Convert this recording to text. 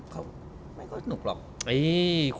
เขาไม่สนุกหรอก